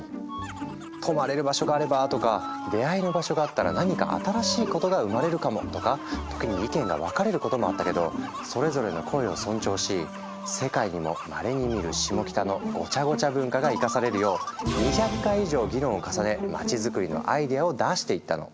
「泊まれる場所があれば」とか「出会いの場所があったら何か新しいことが生まれるかも」とか時に意見が分かれることもあったけどそれぞれの声を尊重し世界にもまれに見るシモキタのごちゃごちゃ文化が生かされるよう２００回以上議論を重ね街づくりのアイデアを出していったの。